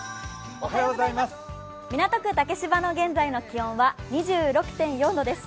港区竹芝の現在の気温は２６．４度です。